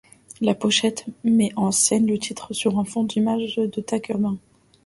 La pochette met en scène le titre sur un fond d'images de tags urbains.